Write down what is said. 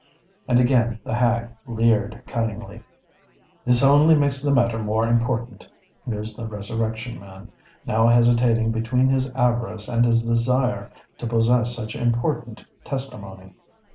And again the hag leered cunningly. "This only makes the matter more important," mused the Resurrection Man, now hesitating between his avarice and his desire to possess such important testimony.